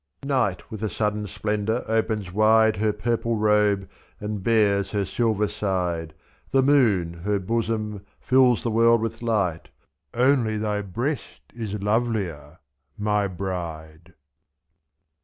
97 Night with a sudden splendour opens wide Her purple robe^ and bares her silver side^ zsfThe moony her bosom ^ Jills the world with light y — Only thy breast is lovelier ^ my bride.